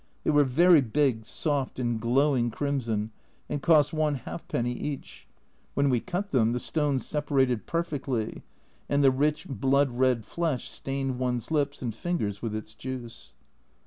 They were very big, soft, and glowing crimson, and cost one halfpenny each. When we cut them the stones separated perfectly, and the rich blood red flesh stained one's lips and fingers with its juice.